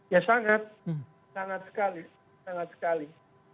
ya sangat sangat sekali sangat sekali